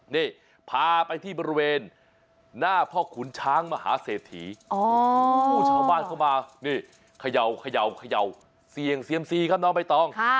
นี่พาไปที่บริเวณหน้าพ่อขุนช้างมหาเสถีอ๋อชาวบ้านเข้ามานี่เขย่าเขย่าเขย่าเซียงเซียมซีครับน้องไม่ต้อง